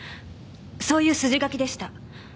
そういう筋書きでした。